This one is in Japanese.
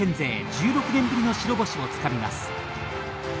１６年ぶりの白星をつかみます。